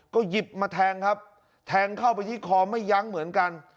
ก็หยิบมาแทงครับแทงเข้าไปที่คอไม่ยั้งเหมือนกัน